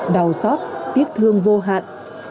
đau xót tiếc thương vô hạn